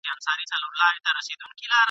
زما شهپرونه خدای قفس ته پیدا کړي نه دي !.